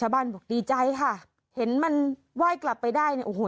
บ้านบอกดีใจค่ะเห็นมันไหว้กลับไปได้เนี่ยโอ้โห